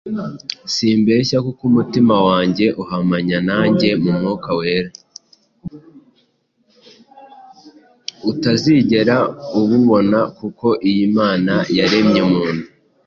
utazigera ububona Kuko iyo imana yaremye umuntu